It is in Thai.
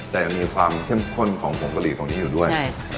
แต่ยังมีความเข้มข้นของผงกะหรี่ตรงนี้อยู่ด้วย